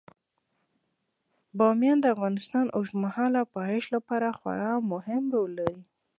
بامیان د افغانستان د اوږدمهاله پایښت لپاره خورا مهم رول لري.